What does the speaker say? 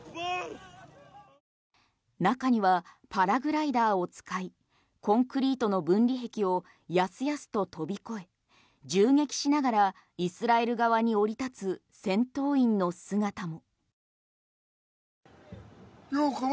中にはパラグライダーを使いコンクリートの分離壁をやすやすと飛び越え銃撃しながらイスラエル側に降り立つ戦闘員の姿も。